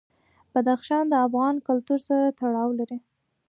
بدخشان د افغان کلتور سره تړاو لري.